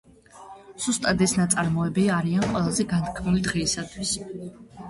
ზუსტად ეს ნაწარმოებები არიან ყველაზე განთქმული დღეისათვის.